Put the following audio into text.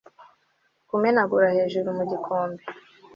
kumenagura hejuru mu gikombe